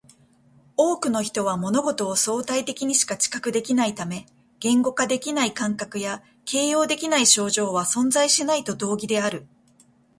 多くの人は物事を相対的にしか知覚できないため、言語化できない感覚や形容できない症状は存在しないと同義である